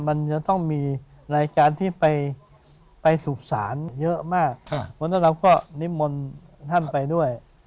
มันจะต้องมีรายการที่ไปไปศุกร์ศาลเยอะมากค่ะแล้วเราก็นิมนต์ท่านไปด้วย